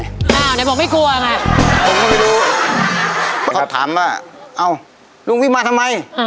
อ้าเดี๋ยวผมไม่กลัวอ่ะค่ะ